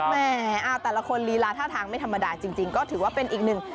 แหมแต่ละคนลีลาท่าทางไม่ธรรมดาจริงก็ถือว่าเป็นอีกหนึ่ง